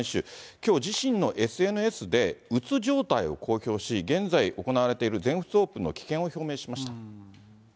きょう、自身のＳＮＳで、うつ状態を公表し、現在行われている全仏オープンの棄権を表明しました。